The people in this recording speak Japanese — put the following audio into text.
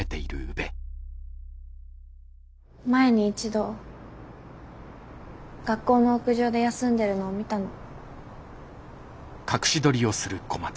前に一度学校の屋上で休んでるのを見たの。